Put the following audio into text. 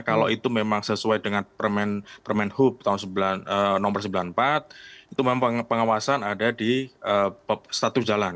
kalau itu memang sesuai dengan permen hub tahun nomor sembilan puluh empat itu memang pengawasan ada di status jalan